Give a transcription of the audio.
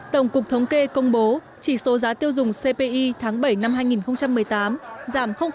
tổng cục thống kê công bố trị số giá tiêu dùng cpi tháng bảy năm hai nghìn một mươi tám